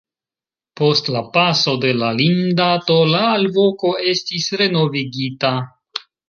Post la paso de la limdato la alvoko estis renovigita.